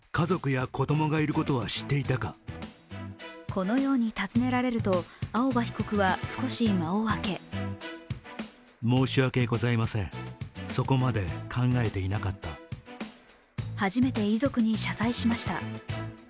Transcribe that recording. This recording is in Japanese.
このように尋ねられると、青葉被告は少し間をあけ初めて遺族に謝罪しました。